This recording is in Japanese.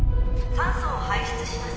酸素を排出します。